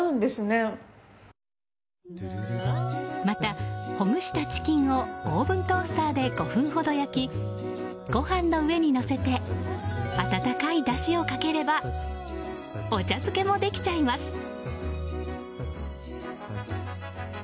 また、ほぐしたチキンをオーブントースターで５分ほど焼き、ご飯の上にのせて温かいだしをかければお茶漬けもできちゃいます。